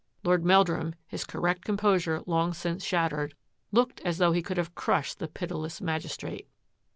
Lord Meldrum, his correct composure long since shattered, looked as though he could have crushed the pitiless magis trate.